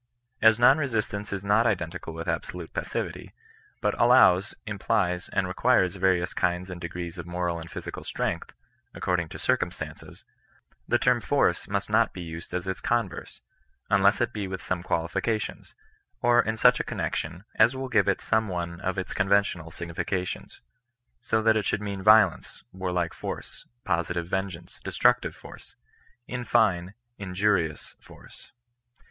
As non resistance is not identical with absolute passivit^f but allows, im plies, and requires various kinds and degrees of moral and physical '' strength," according to circumstances, the term force must not be used as its converse; unless it bo with such qualifications, or in such a connexion, as will give it some one of its conventional significations, so that it shall mean violence, warlike forcCy positive vengeance, destructive force — in fine, injurious force.